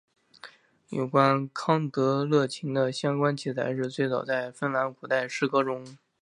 有关康特勒琴的相关记载最早出现在芬兰古代诗歌中。